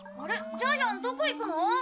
ジャイアンどこ行くの？